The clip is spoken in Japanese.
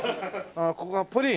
ここがプリン。